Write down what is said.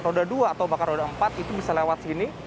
roda dua atau bahkan roda empat itu bisa lewat sini